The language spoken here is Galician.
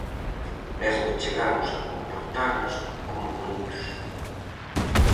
Mesmo chegamos a comportarnos como brutos.